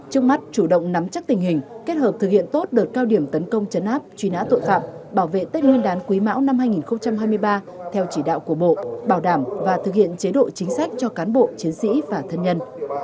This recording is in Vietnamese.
trước mắt chủ động nắm chắc tình hình kết hợp thực hiện tốt đợt cao điểm tấn công chấn áp truy nã tội phạm bảo vệ tích nguyên đán quý mão năm hai nghìn hai mươi ba theo chỉ đạo của bộ bảo đảm và thực hiện chế độ chính sách cho cán bộ chiến sĩ và thân nhân